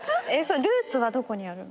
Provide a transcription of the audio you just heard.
ルーツはどこにあるの？